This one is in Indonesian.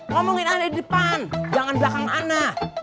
ngomongin ana di depan jangan belakang ana